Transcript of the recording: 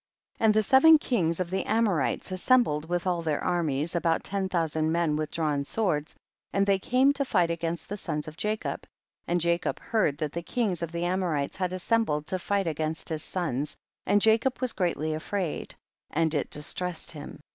50. And the seven kings of the Amorites assembled with all their armies, about ten thousand men with drawn swords, and they came to fight against the sons of Jacob ; and Jacob heard that the kings of the Amorites had assembled to fight against his sons, and Jacob was greatly afraid, and it distressed him.